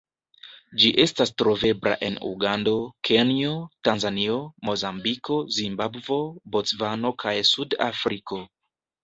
Ĝi estas trovebla en Ugando, Kenjo, Tanzanio, Mozambiko, Zimbabvo, Bocvano kaj Sud-Afriko.